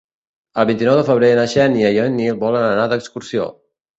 El vint-i-nou de febrer na Xènia i en Nil volen anar d'excursió.